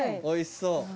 おいしそう。